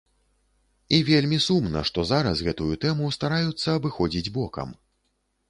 І вельмі сумна, што зараз гэтую тэму стараюцца абыходзіць бокам.